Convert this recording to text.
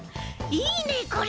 いいねこれ！